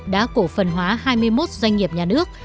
đã cổ phần hóa hai mươi một doanh nghiệp nhà nước